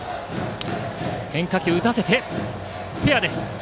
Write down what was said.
変化球を打たせて、フェア。